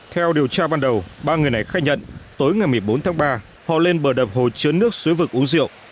theo điều tra ban đầu ba người này khai nhận tối ngày một mươi bốn tháng ba họ lên bờ đập hồ chứa nước suối vực uống rượu